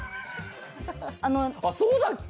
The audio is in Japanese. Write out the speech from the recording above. あっそうだっけ？